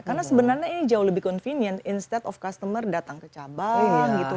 karena sebenarnya ini jauh lebih convenient instead of customer datang ke cabang gitu kan